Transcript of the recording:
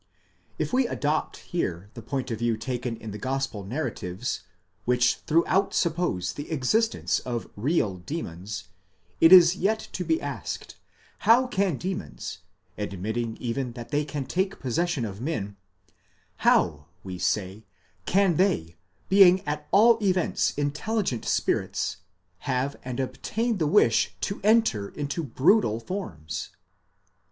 If we adopt here the point of view taken in the gospel narratives, which throughout suppose the existence of real demons, it is yet to be asked: how can demons, admitting even that they can take possession of men,—how, we say, can they, being at all events intelligent spirits, have and obtain the wish to enter into brutal forms?